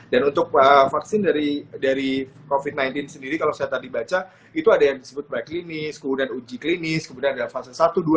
dan untuk vaksin dari covid sembilan belas sendiri kalau saya tadi baca itu ada yang disebut by klinis kemudian uji klinis kemudian ada fase satu dua tiga